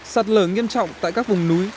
sạt lở nghiêm trọng tại các vùng núi